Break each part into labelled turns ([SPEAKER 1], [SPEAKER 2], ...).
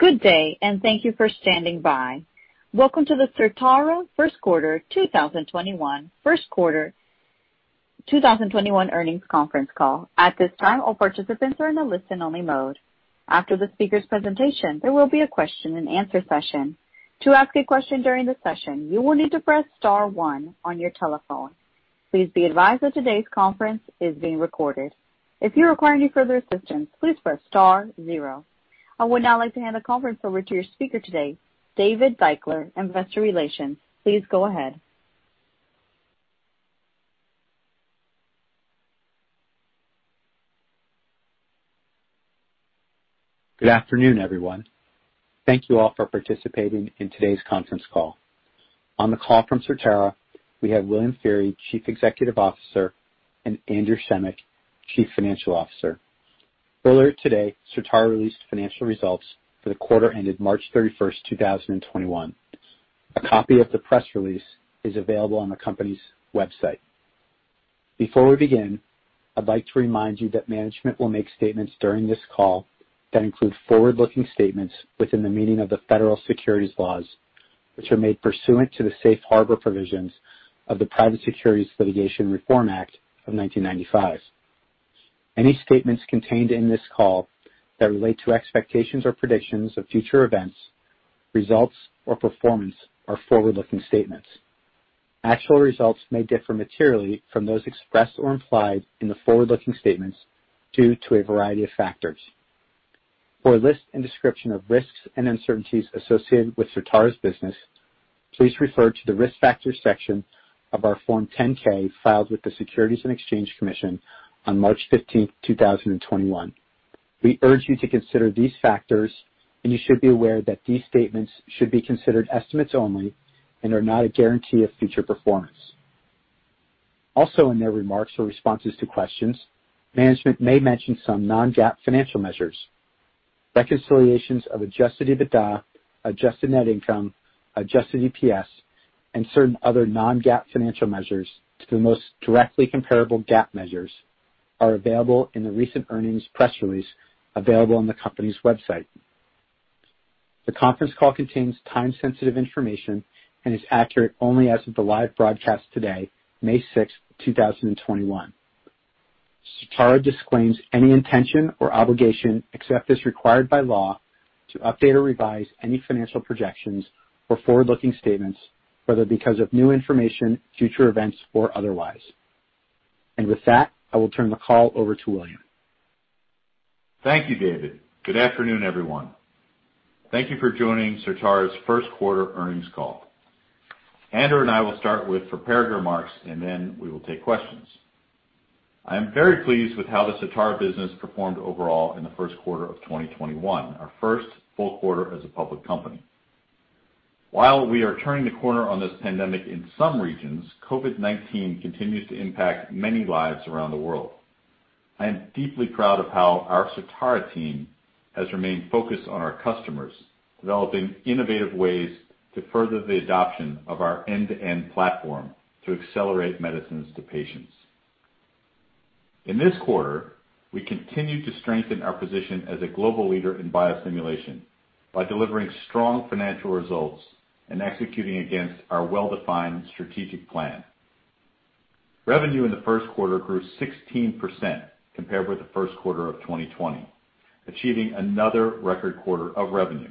[SPEAKER 1] Good day. Thank you for standing by. Welcome to the Certara first quarter 2021 earnings conference call. At this time, all participants are in a listen-only mode. After the speaker's presentation, there will be a question and answer session. To ask a question during the session, you will need to press star one on your telephone. Please be advised that today's conference is being recorded. If you require any further assistance, please press star zero. I would now like to hand the conference over to your speaker today, David Deuchler, Investor Relations. Please go ahead.
[SPEAKER 2] Good afternoon, everyone. Thank you all for participating in today's conference call. On the call from Certara, we have William Feehery, Chief Executive Officer, and Andrew Schemick, Chief Financial Officer. Earlier today, Certara released financial results for the quarter ended March 31st, 2021. A copy of the press release is available on the company's website. Before we begin, I'd like to remind you that management will make statements during this call that include forward-looking statements within the meaning of the federal securities laws, which are made pursuant to the safe harbor provisions of the Private Securities Litigation Reform Act of 1995. Any statements contained in this call that relate to expectations or predictions of future events, results, or performance are forward-looking statements. Actual results may differ materially from those expressed or implied in the forward-looking statements due to a variety of factors. For a list and description of risks and uncertainties associated with Certara's business, please refer to the risk factors section of our Form 10-K filed with the Securities and Exchange Commission on March 15th, 2021. We urge you to consider these factors, and you should be aware that these statements should be considered estimates only and are not a guarantee of future performance. Also in their remarks or responses to questions, management may mention some non-GAAP financial measures. Reconciliations of Adjusted EBITDA, Adjusted net income, Adjusted EPS, and certain other non-GAAP financial measures to the most directly comparable GAAP measures are available in the recent earnings press release available on the company's website. The conference call contains time-sensitive information and is accurate only as of the live broadcast today, May 6th, 2021. Certara disclaims any intention or obligation, except as required by law, to update or revise any financial projections or forward-looking statements, whether because of new information, future events, or otherwise. With that, I will turn the call over to William.
[SPEAKER 3] Thank you, David. Good afternoon, everyone. Thank you for joining Certara's first quarter earnings call. Andrew and I will start with prepared remarks, and then we will take questions. I am very pleased with how the Certara business performed overall in the first quarter of 2021, our first full quarter as a public company. While we are turning the corner on this pandemic in some regions, COVID-19 continues to impact many lives around the world. I am deeply proud of how our Certara team has remained focused on our customers, developing innovative ways to further the adoption of our end-to-end platform to accelerate medicines to patients. In this quarter, we continued to strengthen our position as a global leader in biosimulation by delivering strong financial results and executing against our well-defined strategic plan. Revenue in the first quarter grew 16% compared with the first quarter of 2020, achieving another record quarter of revenue.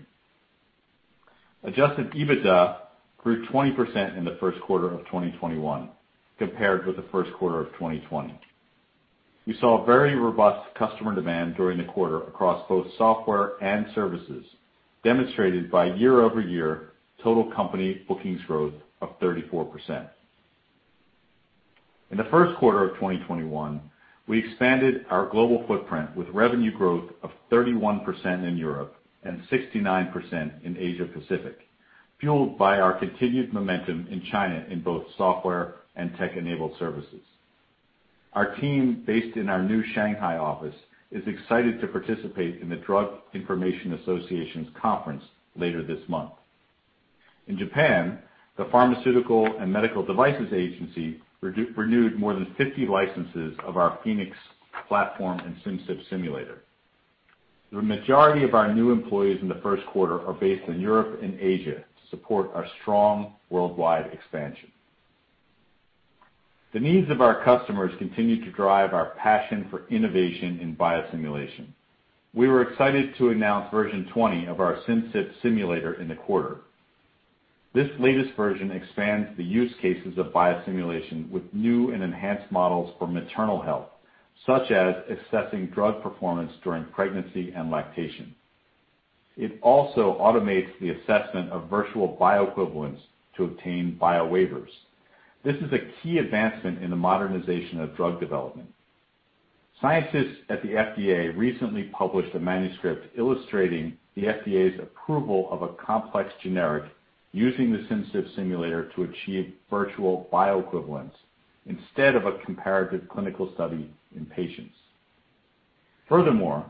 [SPEAKER 3] Adjusted EBITDA grew 20% in the first quarter of 2021 compared with the first quarter of 2020. We saw very robust customer demand during the quarter across both software and services, demonstrated by YoY total company bookings growth of 34%. In the first quarter of 2021, we expanded our global footprint with revenue growth of 31% in Europe and 69% in Asia Pacific, fueled by our continued momentum in China in both software and tech-enabled services. Our team based in our new Shanghai office is excited to participate in the Drug Information Association's conference later this month. In Japan, the Pharmaceuticals and Medical Devices Agency renewed more than 50 licenses of our Phoenix platform and Simcyp Simulator. The majority of our new employees in the first quarter are based in Europe and Asia to support our strong worldwide expansion. The needs of our customers continue to drive our passion for innovation in biosimulation. We were excited to announce version 20 of our Simcyp Simulator in the quarter. This latest version expands the use cases of biosimulation with new and enhanced models for maternal health, such as assessing drug performance during pregnancy and lactation. It also automates the assessment of virtual bioequivalence to obtain biowaivers. This is a key advancement in the modernization of drug development. Scientists at the FDA recently published a manuscript illustrating the FDA's approval of a complex generic using the Simcyp Simulator to achieve virtual bioequivalence instead of a comparative clinical study in patients. Furthermore,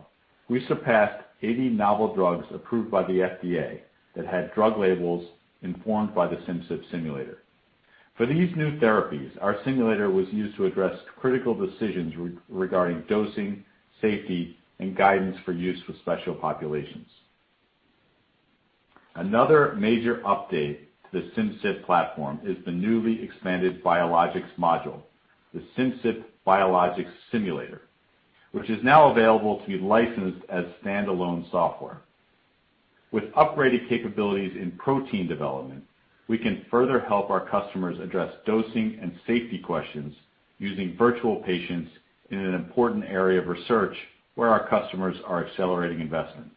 [SPEAKER 3] we surpassed 80 novel drugs approved by the FDA that had drug labels informed by the Simcyp Simulator. For these new therapies, our simulator was used to address critical decisions regarding dosing, safety, and guidance for use with special populations. Another major update to the Simcyp platform is the newly expanded biologics module, the Simcyp Biologics Simulator, which is now available to be licensed as standalone software. With upgraded capabilities in protein development, we can further help our customers address dosing and safety questions using virtual patients in an important area of research where our customers are accelerating investment.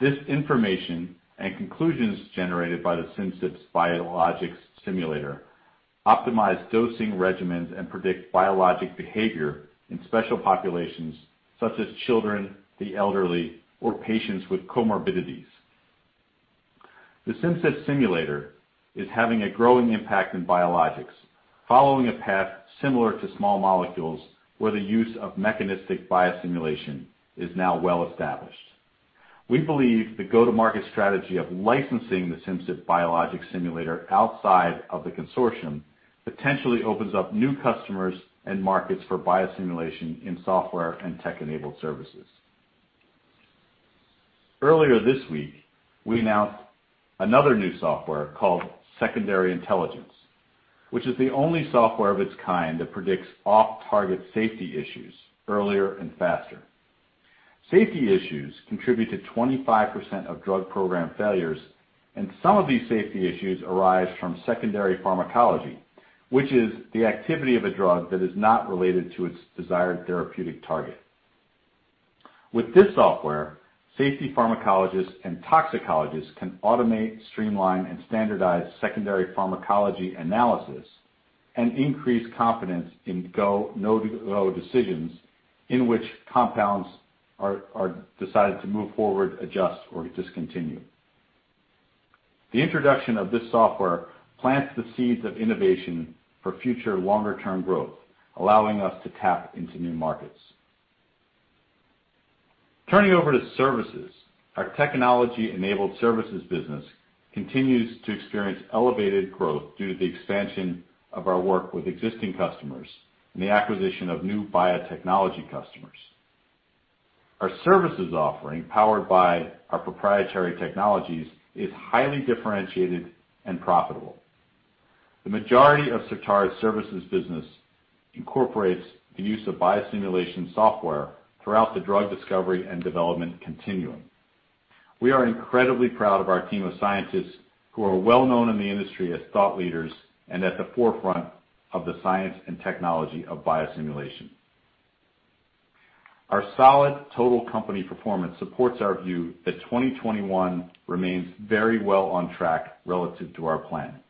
[SPEAKER 3] This information and conclusions generated by the Simcyp Biologics Simulator optimize dosing regimens and predict biologic behavior in special populations such as children, the elderly or patients with comorbidities. The Simcyp Simulator is having a growing impact in biologics, following a path similar to small molecules where the use of mechanistic biosimulation is now well established. We believe the go-to-market strategy of licensing the Simcyp Biologics Simulator outside of the consortium potentially opens up new customers and markets for biosimulation in software and tech-enabled services. Earlier this week, we announced another new software called Secondary Intelligence, which is the only software of its kind that predicts off-target safety issues earlier and faster. Safety issues contribute to 25% of drug program failures, and some of these safety issues arise from secondary pharmacology, which is the activity of a drug that is not related to its desired therapeutic target. With this software, safety pharmacologists and toxicologists can automate, streamline, and standardize secondary pharmacology analysis and increase confidence in go, no-go decisions in which compounds are decided to move forward, adjust, or discontinue. The introduction of this software plants the seeds of innovation for future longer-term growth, allowing us to tap into new markets. Turning over to services, our technology-enabled services business continues to experience elevated growth due to the expansion of our work with existing customers and the acquisition of new biotechnology customers. Our services offering, powered by our proprietary technologies, is highly differentiated and profitable. The majority of Certara's services business incorporates the use of biosimulation software throughout the drug discovery and development continuum. We are incredibly proud of our team of scientists who are well-known in the industry as thought leaders and at the forefront of the science and technology of biosimulation. Our solid total company performance supports our view that 2021 remains very well on track relative to our plan.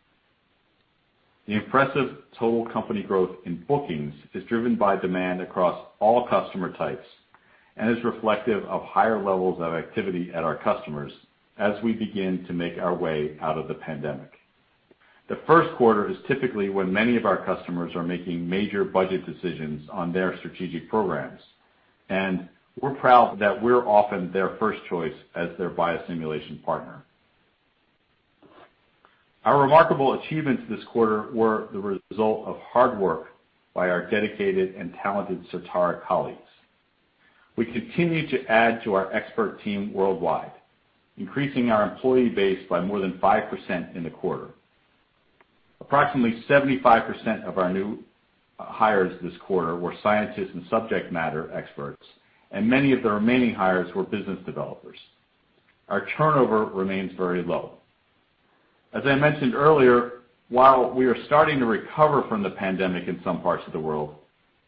[SPEAKER 3] The impressive total company growth in bookings is driven by demand across all customer types and is reflective of higher levels of activity at our customers as we begin to make our way out of the pandemic. The first quarter is typically when many of our customers are making major budget decisions on their strategic programs, and we're proud that we're often their first choice as their biosimulation partner. Our remarkable achievements this quarter were the result of hard work by our dedicated and talented Certara colleagues. We continue to add to our expert team worldwide, increasing our employee base by more than 5% in the quarter. Approximately 75% of our new hires this quarter were scientists and subject matter experts, and many of the remaining hires were business developers. Our turnover remains very low. As I mentioned earlier, while we are starting to recover from the pandemic in some parts of the world,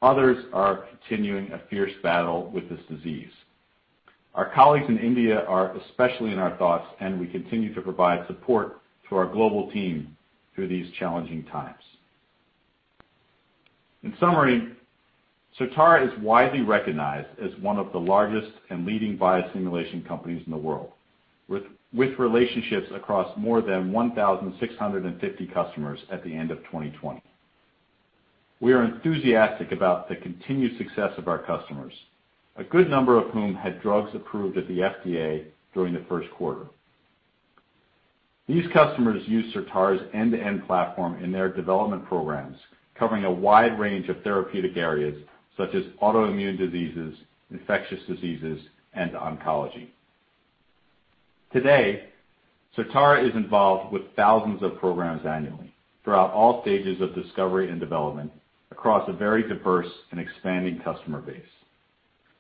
[SPEAKER 3] others are continuing a fierce battle with this disease. Our colleagues in India are especially in our thoughts, and we continue to provide support to our global team through these challenging times. In summary, Certara is widely recognized as one of the largest and leading biosimulation companies in the world, with relationships across more than 1,650 customers at the end of 2020. We are enthusiastic about the continued success of our customers, a good number of whom had drugs approved at the FDA during the first quarter. These customers use Certara's end-to-end platform in their development programs covering a wide range of therapeutic areas such as autoimmune diseases, infectious diseases, and oncology. Today, Certara is involved with thousands of programs annually throughout all stages of discovery and development across a very diverse and expanding customer base.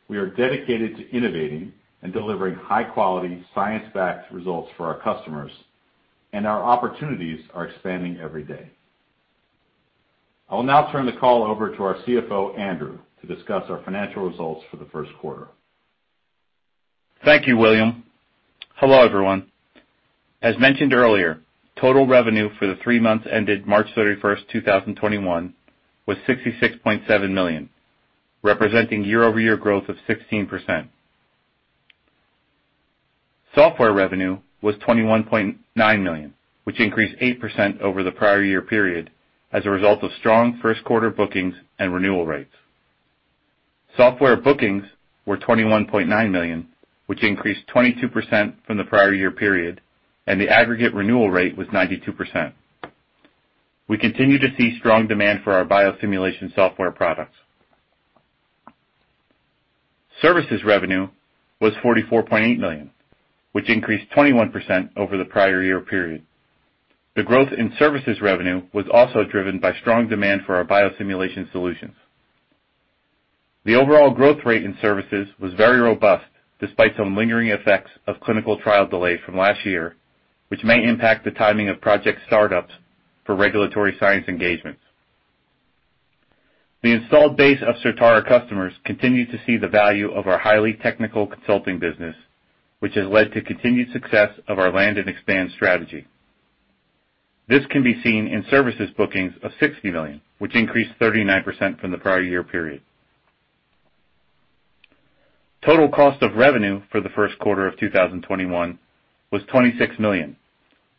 [SPEAKER 3] We are dedicated to innovating and delivering high-quality, science-backed results for our customers, and our opportunities are expanding every day. I will now turn the call over to our CFO, Andrew, to discuss our financial results for the first quarter.
[SPEAKER 4] Thank you, William. Hello, everyone. As mentioned earlier, total revenue for the three months ended March 31st, 2021 was $66.7 million, representing YoY growth of 16%. Software revenue was $21.9 million, which increased 8% over the prior year period as a result of strong first quarter bookings and renewal rates. Software bookings were $21.9 million, which increased 22% from the prior year period, and the aggregate renewal rate was 92%. We continue to see strong demand for our biosimulation software products. Services revenue was $44.8 million, which increased 21% over the prior year period. The growth in services revenue was also driven by strong demand for our biosimulation solutions. The overall growth rate in services was very robust, despite some lingering effects of clinical trial delays from last year, which may impact the timing of project startups for regulatory science engagements. The installed base of Certara customers continue to see the value of our highly technical consulting business, which has led to continued success of our land and expand strategy. This can be seen in services bookings of $60 million, which increased 39% from the prior year period. Total cost of revenue for the first quarter of 2021 was $26 million,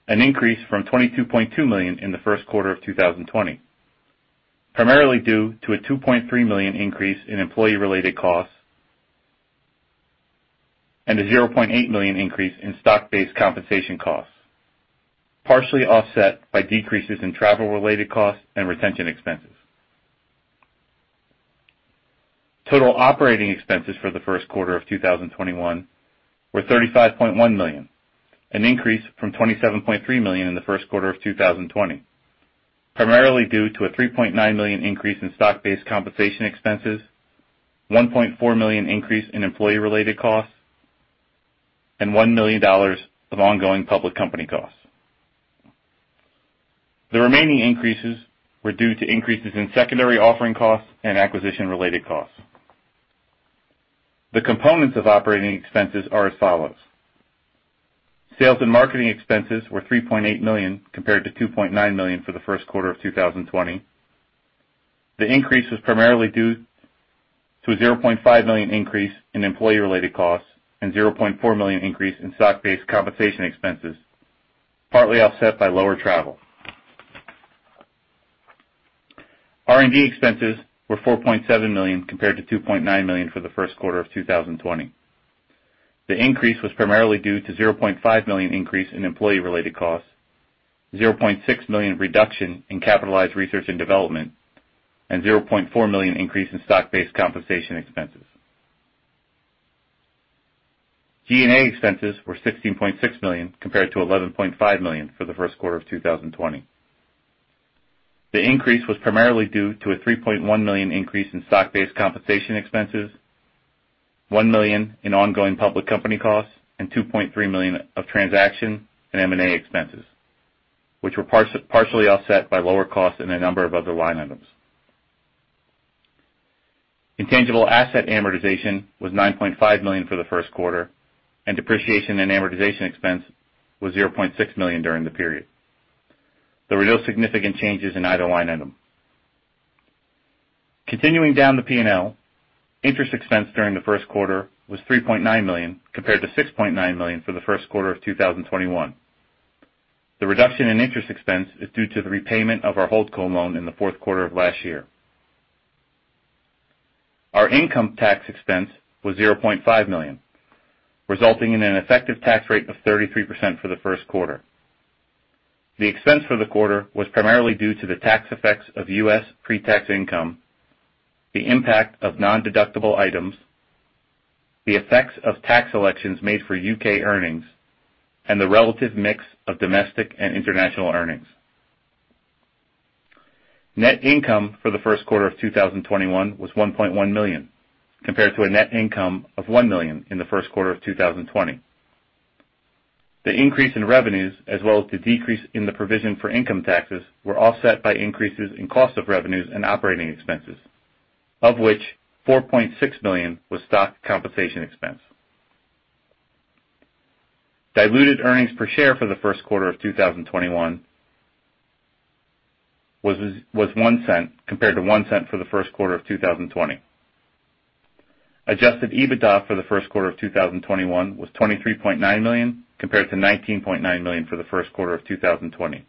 [SPEAKER 4] an increase from $22.2 million in the first quarter of 2020, primarily due to a $2.3 million increase in employee-related costs and a $0.8 million increase in stock-based compensation costs, partially offset by decreases in travel-related costs and retention expenses. Total operating expenses for the first quarter of 2021 were $35.1 million, an increase from $27.3 million in the first quarter of 2020, primarily due to a $3.9 million increase in stock-based compensation expenses, $1.4 million increase in employee-related costs, and $1 million of ongoing public company costs. The remaining increases were due to increases in secondary offering costs and acquisition-related costs. The components of operating expenses are as follows. Sales and marketing expenses were $3.8 million, compared to $2.9 million for the first quarter of 2020. The increase was primarily due to a $0.5 million increase in employee-related costs and $0.4 million increase in stock-based compensation expenses, partly offset by lower travel. R&D expenses were $4.7 million, compared to $2.9 million for the first quarter of 2020. The increase was primarily due to $0.5 million increase in employee-related costs, $0.6 million reduction in capitalized research and development, and $0.4 million increase in stock-based compensation expenses. G&A expenses were $16.6 million, compared to $11.5 million for the first quarter of 2020. The increase was primarily due to a $3.1 million increase in stock-based compensation expenses, $1 million in ongoing public company costs, and $2.3 million of transaction and M&A expenses, which were partially offset by lower costs in a number of other line items. Intangible asset amortization was $9.5 million for the first quarter, and depreciation and amortization expense was $0.6 million during the period. There were no significant changes in either line item. Continuing down the P&L, interest expense during the first quarter was $3.9 million, compared to $6.9 million for the first quarter of 2021. The reduction in interest expense is due to the repayment of our HoldCo loan in the fourth quarter of last year. Our income tax expense was $0.5 million, resulting in an effective tax rate of 33% for the first quarter. The expense for the quarter was primarily due to the tax effects of U.S. pre-tax income, the impact of non-deductible items, the effects of tax elections made for U.K. earnings, and the relative mix of domestic and international earnings. Net income for the first quarter of 2021 was $1.1 million, compared to a net income of $1 million in the first quarter of 2020. The increase in revenues, as well as the decrease in the provision for income taxes, were offset by increases in cost of revenues and operating expenses, of which $4.6 million was stock compensation expense. Diluted earnings per share for the first quarter of 2021 was $0.01, compared to $0.01 for the first quarter of 2020. Adjusted EBITDA for the first quarter of 2021 was $23.9 million, compared to $19.9 million for the first quarter of 2020.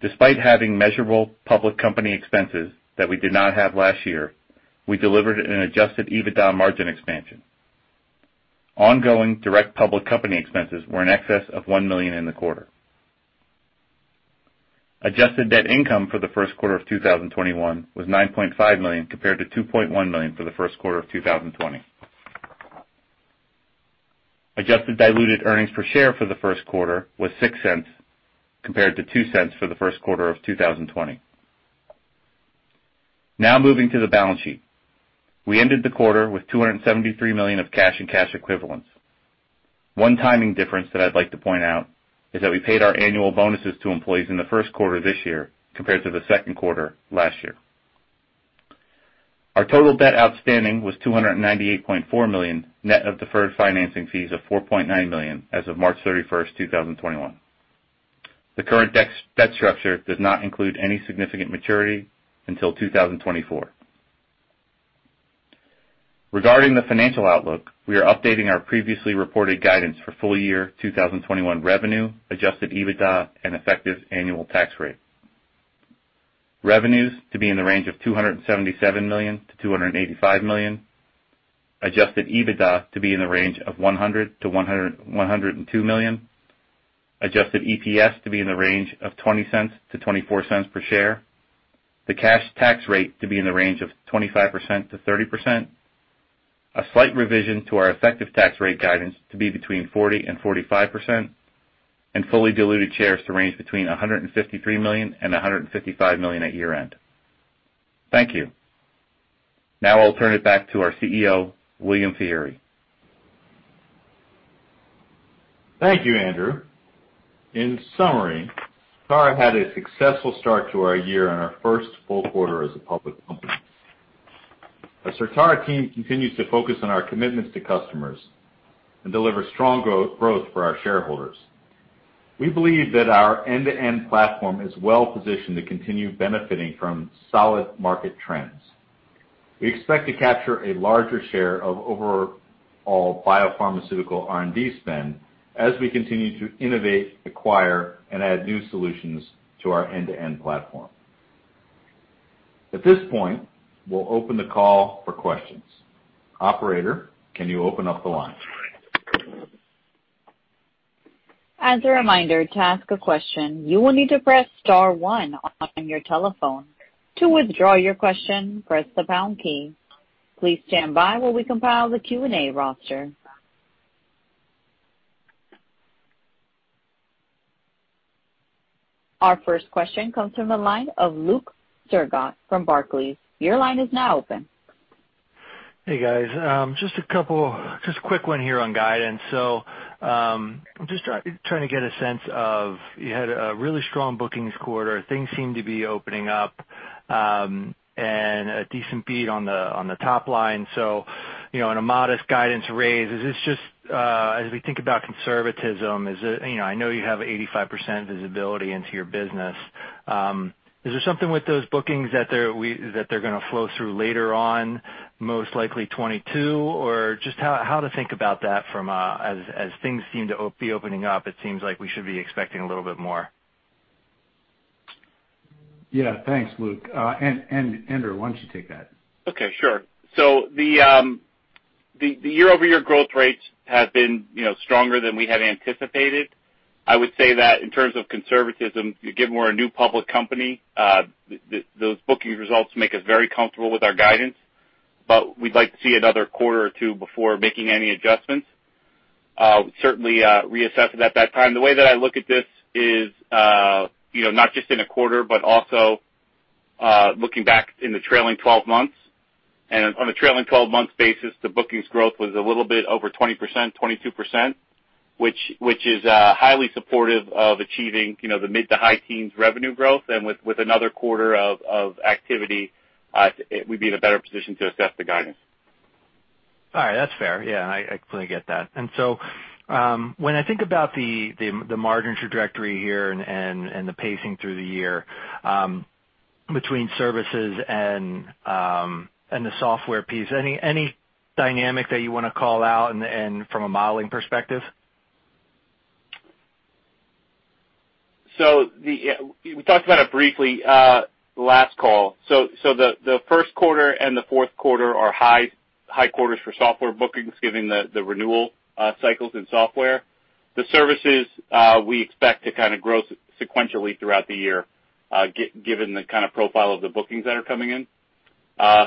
[SPEAKER 4] Despite having measurable public company expenses that we did not have last year, we delivered an Adjusted EBITDA margin expansion. Ongoing direct public company expenses were in excess of $1 million in the quarter. Adjusted net income for the first quarter of 2021 was $9.5 million, compared to $2.1 million for the first quarter of 2020. Adjusted diluted earnings per share for the first quarter was $0.06, compared to $0.02 for the first quarter of 2020. Moving to the balance sheet. We ended the quarter with $273 million of cash and cash equivalents. One timing difference that I'd like to point out is that we paid our annual bonuses to employees in the first quarter this year compared to the second quarter last year. Our total debt outstanding was $298.4 million, net of deferred financing fees of $4.9 million as of March 31st, 2021. The current debt structure does not include any significant maturity until 2024. Regarding the financial outlook, we are updating our previously reported guidance for full year 2021 revenue, Adjusted EBITDA, and effective annual tax rate. Revenues to be in the range of $277 million-$285 million. Adjusted EBITDA to be in the range of $100 million-$102 million. Adjusted EPS to be in the range of $0.20-$0.24 per share. The cash tax rate to be in the range of 25%-30%. A slight revision to our effective tax rate guidance to be between 40%-45%, and fully diluted shares to range between 153 million-155 million at year-end. Thank you. Now I'll turn it back to our CEO, William Feehery.
[SPEAKER 3] Thank you, Andrew. In summary, Certara had a successful start to our year in our first full quarter as a public company. The Certara team continues to focus on our commitments to customers and deliver strong growth for our shareholders. We believe that our end-to-end platform is well positioned to continue benefiting from solid market trends. We expect to capture a larger share of overall biopharmaceutical R&D spend as we continue to innovate, acquire, and add new solutions to our end-to-end platform. At this point, we'll open the call for questions. Operator, can you open up the line?
[SPEAKER 1] As a reminder, to ask a question you will need to press star one on your telephone. To withdraw your question press the pound key. Please standby as we compile the Q&A roster. Our first question comes from the line of Luke Sergott from Barclays.
[SPEAKER 5] Hey, guys. Just a quick one here on guidance. Just trying to get a sense of, you had a really strong bookings quarter. Things seem to be opening up, and a decent beat on the top line. On a modest guidance raise, is this just, as we think about conservatism, I know you have 85% visibility into your business. Is there something with those bookings that they're going to flow through later on, most likely 2022? Just how to think about that from a, as things seem to be opening up, it seems like we should be expecting a little bit more.
[SPEAKER 3] Yeah. Thanks, Luke. Andrew, why don't you take that?
[SPEAKER 4] Okay, sure. The YoY growth rates have been stronger than we had anticipated. I would say that in terms of conservatism, given we're a new public company, those booking results make us very comfortable with our guidance. We'd like to see another quarter or two before making any adjustments. Certainly, reassess it at that time. The way that I look at this is, not just in a quarter, but also looking back in the trailing 12 months. On a trailing 12-month basis, the bookings growth was a little bit over 20%, 22%, which is highly supportive of achieving the mid to high teens revenue growth. With another quarter of activity, we'd be in a better position to assess the guidance.
[SPEAKER 5] All right. That's fair. Yeah, I completely get that. When I think about the margins trajectory here and the pacing through the year, between services and the software piece, any dynamic that you want to call out and from a modeling perspective?
[SPEAKER 4] We talked about it briefly, last call. The first quarter and the fourth quarter are high quarters for software bookings, given the renewal cycles in software. The services, we expect to grow sequentially throughout the year, given the profile of the bookings that are coming in.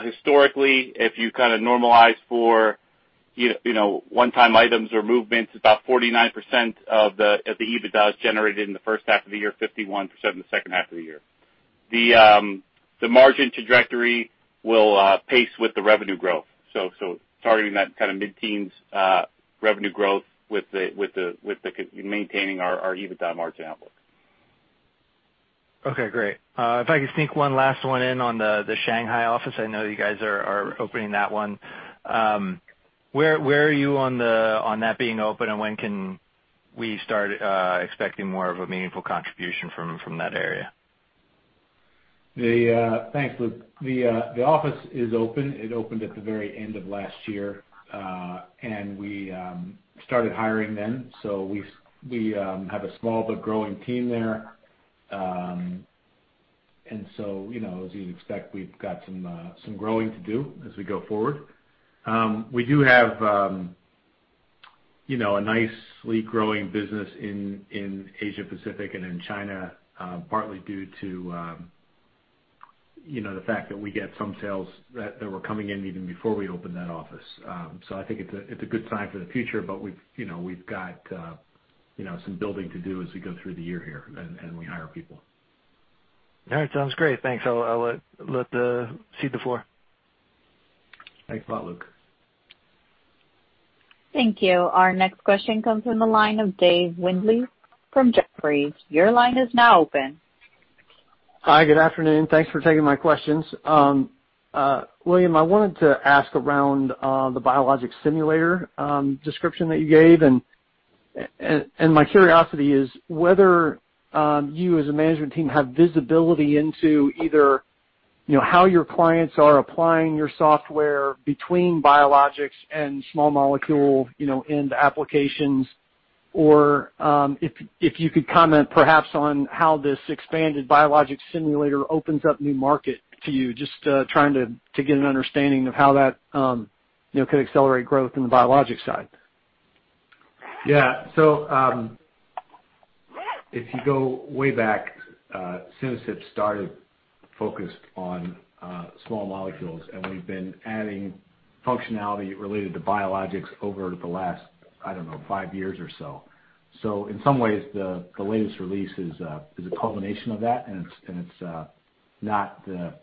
[SPEAKER 4] Historically, if you normalize for one-time items or movements, about 49% of the EBITDA is generated in the first half of the year, 51% in the second half of the year. The margin trajectory will pace with the revenue growth. Targeting that mid-teens revenue growth with maintaining our EBITDA margin outlook.
[SPEAKER 5] Okay, great. If I could sneak one last one in on the Shanghai office. I know you guys are opening that one. Where are you on that being open, and when can we start expecting more of a meaningful contribution from that area?
[SPEAKER 3] Thanks, Luke. The office is open. It opened at the very end of last year. We started hiring then. We have a small but growing team there. As you'd expect, we've got some growing to do as we go forward. We do have a nicely growing business in Asia Pacific and in China, partly due to the fact that we get some sales that were coming in even before we opened that office. I think it's a good sign for the future, but we've got some building to do as we go through the year here and we hire people.
[SPEAKER 5] All right, sounds great. Thanks. I'll cede the floor.
[SPEAKER 3] Thanks a lot, Luke.
[SPEAKER 1] Thank you. Our next question comes from the line of Dave Windley from Jefferies. Your line is now open.
[SPEAKER 6] Hi, good afternoon. Thanks for taking my questions. William, I wanted to ask around the biologic simulator description that you gave and my curiosity is whether you as a management team have visibility into either how your clients are applying your software between biologics and small molecule in the applications, or if you could comment perhaps on how this expanded biologic simulator opens up new market to you, just trying to get an understanding of how that could accelerate growth in the biologic side?
[SPEAKER 3] If you go way back, Certara started focused on small molecules, and we've been adding functionality related to biologics over the last, I don't know, five years or so. In some ways, the latest release is a culmination of that, and it's not the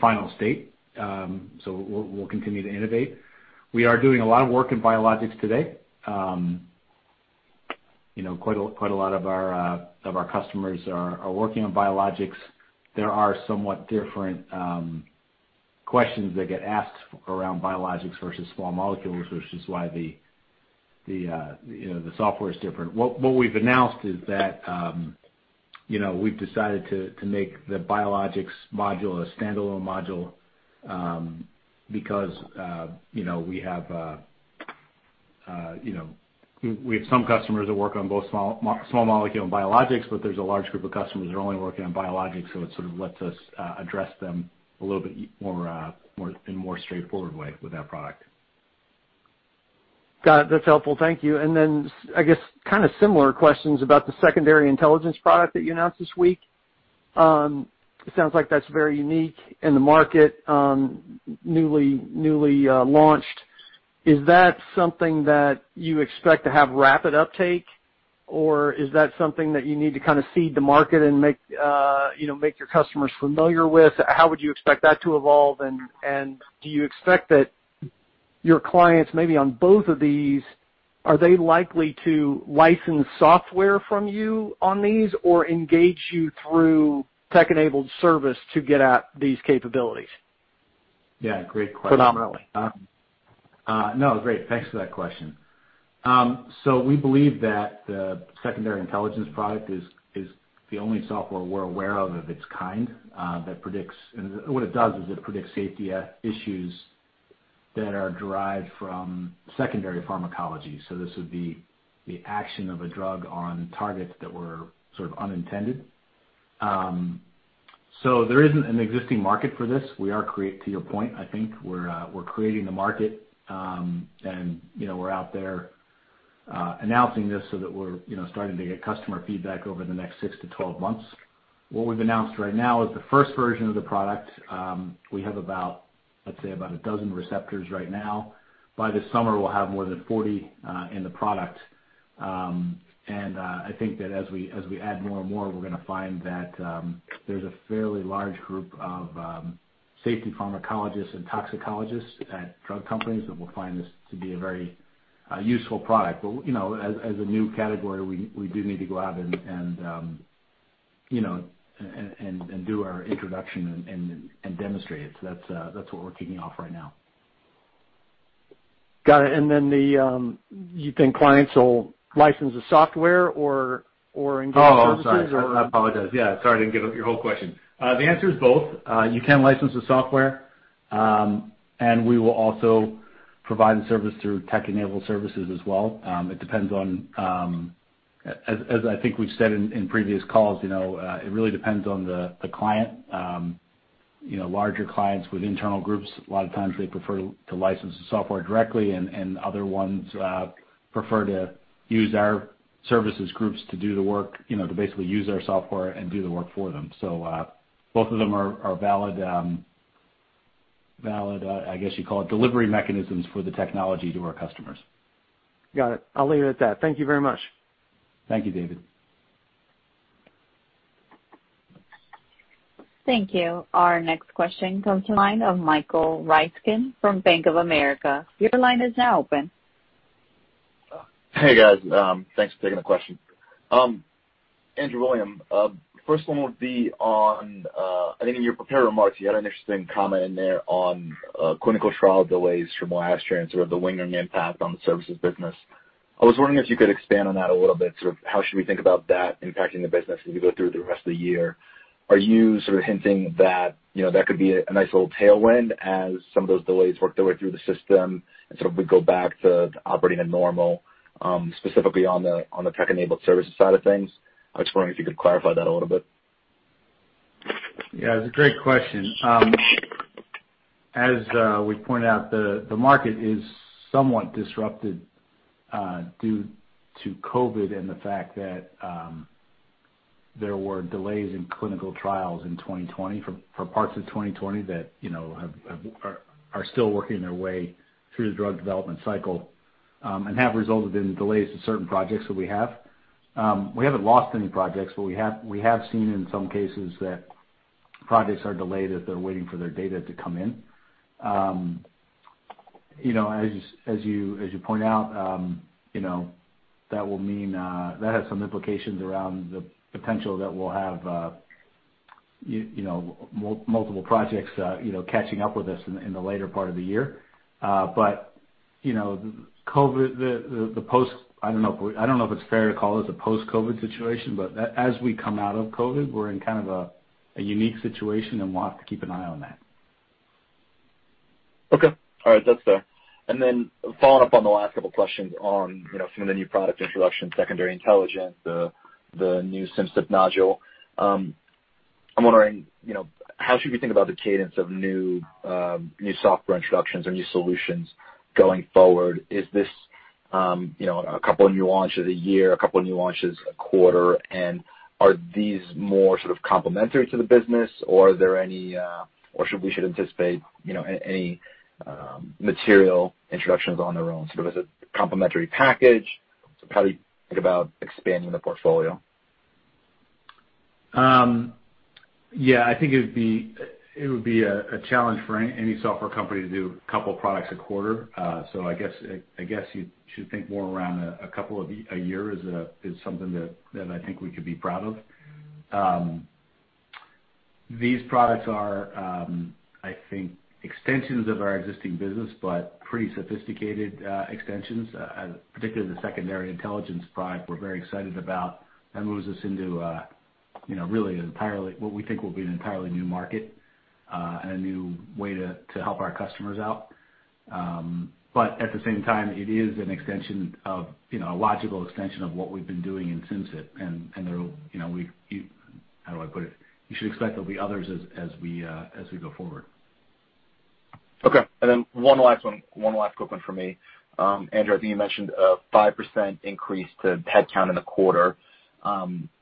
[SPEAKER 3] final state. We'll continue to innovate. We are doing a lot of work in biologics today. Quite a lot of our customers are working on biologics. There are somewhat different questions that get asked around biologics versus small molecules, which is why the software is different. What we've announced is that we've decided to make the biologics module a standalone module, because we have some customers that work on both small molecule and biologics, but there's a large group of customers that are only working on biologics. It sort of lets us address them a little bit in more straightforward way with that product.
[SPEAKER 6] Got it. That's helpful. Thank you. Then, I guess, kind of similar questions about the Secondary Intelligence product that you announced this week. It sounds like that's very unique in the market, newly launched. Is that something that you expect to have rapid uptake, or is that something that you need to kind of seed the market and make your customers familiar with? How would you expect that to evolve, and do you expect that your clients, maybe on both of these, are they likely to license software from you on these or engage you through tech-enabled service to get at these capabilities?
[SPEAKER 3] Yeah, great question.
[SPEAKER 6] Predominantly.
[SPEAKER 3] No, great. Thanks for that question. We believe that the Secondary Intelligence product is the only software we're aware of its kind, that predicts safety issues that are derived from secondary pharmacology. This would be the action of a drug on targets that were sort of unintended. There isn't an existing market for this. To your point, I think, we're creating the market, and we're out there announcing this so that we're starting to get customer feedback over the next six to 12 months. What we've announced right now is the first version of the product. We have about, let's say, about a dozen receptors right now. By this summer, we'll have more than 40 in the product. I think that as we add more and more, we're going to find that there's a fairly large group of safety pharmacologists and toxicologists at drug companies that will find this to be a very useful product. As a new category, we do need to go out and do our introduction and demonstrate it. That's what we're kicking off right now.
[SPEAKER 6] Got it. You think clients will license the software or engage services?
[SPEAKER 3] I'm sorry. I apologize. Sorry, I didn't get your whole question. The answer is both. You can license the software, and we will also provide the service through tech-enabled services as well. As I think we've said in previous calls, it really depends on the client. Larger clients with internal groups, a lot of times they prefer to license the software directly, and other ones prefer to use our services groups to do the work, to basically use our software and do the work for them. Both of them are valid, I guess you call it delivery mechanisms for the technology to our customers.
[SPEAKER 6] Got it. I'll leave it at that. Thank you very much.
[SPEAKER 3] Thank you, Dave.
[SPEAKER 1] Thank you. Our next question comes to the line of Michael Ryskin from Bank of America. Your line is now open.
[SPEAKER 7] Hey, guys. Thanks for taking the question. Andrew, William, first one would be on, I think in your prepared remarks, you had an interesting comment in there on clinical trial delays from last year and sort of the lingering impact on the services business. I was wondering if you could expand on that a little bit, sort of how should we think about that impacting the business as we go through the rest of the year? Are you sort of hinting that that could be a nice little tailwind as some of those delays work their way through the system and sort of we go back to operating at normal, specifically on the tech-enabled services side of things? I was wondering if you could clarify that a little bit.
[SPEAKER 3] Yeah, it's a great question. As we pointed out, the market is somewhat disrupted due to COVID and the fact that there were delays in clinical trials in 2020, for parts of 2020 that are still working their way through the drug development cycle and have resulted in delays to certain projects that we have. We haven't lost any projects, but we have seen in some cases that projects are delayed, as they're waiting for their data to come in. As you point out, that has some implications around the potential that we'll have multiple projects catching up with us in the later part of the year. COVID, I don't know if it's fair to call it a post-COVID situation, but as we come out of COVID, we're in a unique situation, and we'll have to keep an eye on that.
[SPEAKER 7] Okay. All right. That's fair. Following up on the last couple questions on some of the new product introductions, Secondary Intelligence, the new Simcyp module. I'm wondering, how should we think about the cadence of new software introductions or new solutions going forward? Is this a couple of new launches a year, a couple of new launches a quarter? Are these more sort of complementary to the business, or should we anticipate any material introductions on their own? Sort of as a complementary package? How do you think about expanding the portfolio?
[SPEAKER 3] Yeah, I think it would be a challenge for any software company to do a couple of products a quarter. I guess you should think more around a couple a year is something that I think we could be proud of. These products are, I think extensions of our existing business, but pretty sophisticated extensions, particularly the Secondary Intelligence product we're very excited about. That moves us into what we think will be an entirely new market, and a new way to help our customers out. At the same time, it is a logical extension of what we've been doing in Simcyp, and how do I put it? You should expect there'll be others as we go forward.
[SPEAKER 7] Okay. One last quick one from me. Andrew, I think you mentioned a 5% increase to headcount in the quarter.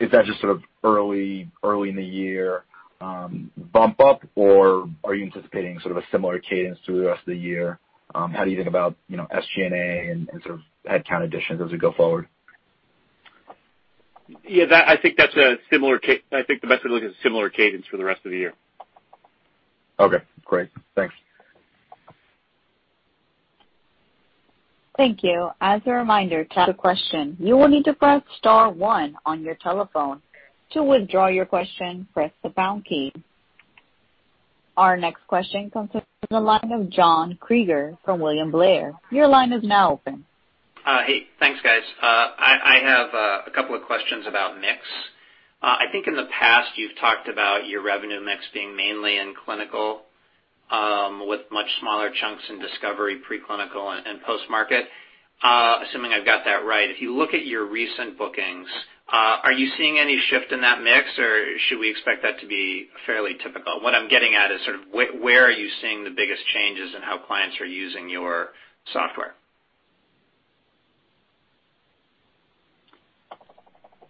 [SPEAKER 7] Is that just sort of early in the year bump up, or are you anticipating sort of a similar cadence through the rest of the year? How do you think about SG&A and sort of headcount additions as we go forward?
[SPEAKER 4] Yeah, I think the best way to look is a similar cadence for the rest of the year.
[SPEAKER 7] Okay, great. Thanks.
[SPEAKER 1] Thank you. As a reminder, to ask a question, you will need to press star one on your telephone. To withdraw your question, press the pound key. Our next question comes in from the line of John Kreger from William Blair. Your line is now open.
[SPEAKER 8] Hey, thanks guys. I have a couple of questions about mix. I think in the past you've talked about your revenue mix being mainly in clinical, with much smaller chunks in discovery, pre-clinical, and post-market. Assuming I've got that right, if you look at your recent bookings, are you seeing any shift in that mix, or should we expect that to be fairly typical? What I'm getting at is sort of where are you seeing the biggest changes in how clients are using your software?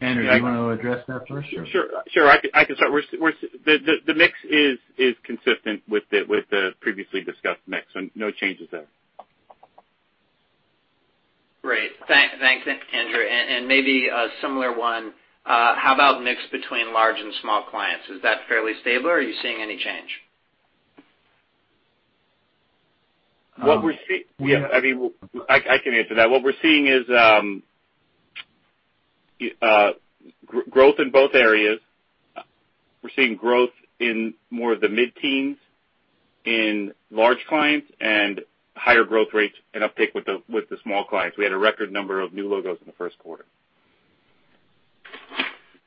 [SPEAKER 3] Andrew, do you want to address that first?
[SPEAKER 4] Sure. I can start. The mix is consistent with the previously discussed mix, so no changes there.
[SPEAKER 8] Great. Thanks, Andrew. Maybe a similar one, how about mix between large and small clients? Is that fairly stable, or are you seeing any change?
[SPEAKER 4] I can answer that. What we're seeing is growth in both areas. We're seeing growth in more of the mid-tiers in large clients and higher growth rates and uptake with the small clients. We had a record number of new logos in the first quarter.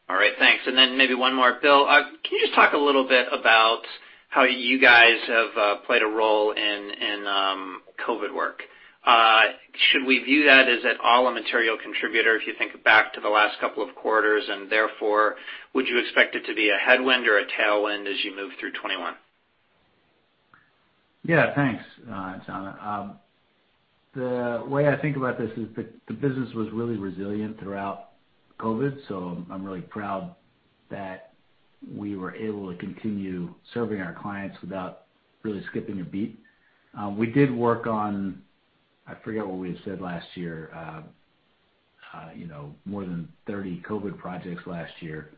[SPEAKER 8] All right, thanks. Maybe one more. Bill, can you just talk a little bit about how you guys have played a role in COVID work? Should we view that as at all a material contributor, if you think back to the last couple of quarters? Would you expect it to be a headwind or a tailwind as you move through 2021?
[SPEAKER 3] Yeah, thanks, John. The way I think about this is the business was really resilient throughout COVID, so I'm really proud that we were able to continue serving our clients without really skipping a beat. We did work on, I forget what we had said last year, more than 30 COVID projects last year.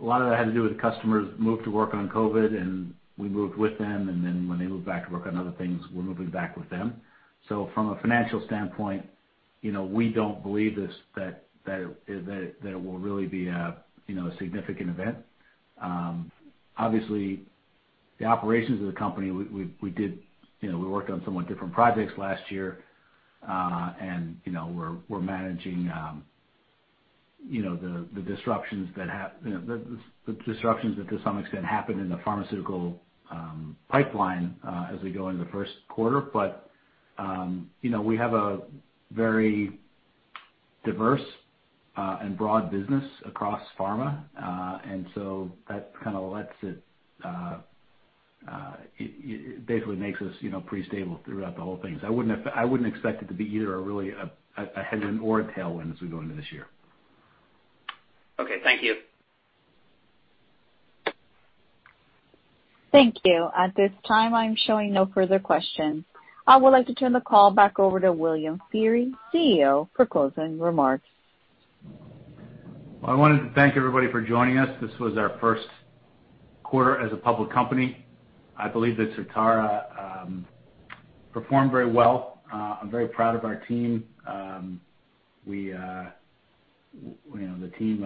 [SPEAKER 3] A lot of that had to do with customers moved to work on COVID, and we moved with them, and then when they moved back to work on other things, we're moving back with them. From a financial standpoint, we don't believe that it will really be a significant event. Obviously, the operations of the company, we worked on somewhat different projects last year, and we're managing the disruptions that to some extent happened in the pharmaceutical pipeline as we go into the first quarter. We have a very diverse and broad business across pharma. That basically makes us pretty stable throughout the whole thing. I wouldn't expect it to be either really a headwind or a tailwind as we go into this year.
[SPEAKER 8] Okay. Thank you.
[SPEAKER 1] Thank you. At this time, I'm showing no further questions. I would like to turn the call back over to William Feehery, CEO, for closing remarks.
[SPEAKER 3] I wanted to thank everybody for joining us. This was our first quarter as a public company. I believe that Certara performed very well. I'm very proud of our team. The team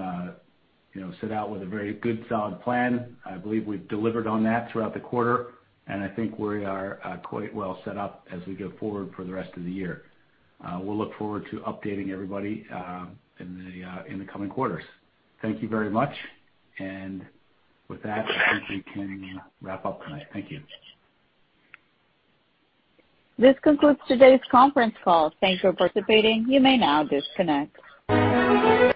[SPEAKER 3] set out with a very good, solid plan. I believe we've delivered on that throughout the quarter, and I think we are quite well set up as we go forward for the rest of the year. We'll look forward to updating everybody in the coming quarters. Thank you very much. With that, I think we can wrap up tonight. Thank you.
[SPEAKER 1] This concludes today's conference call. Thanks for participating. You may now disconnect.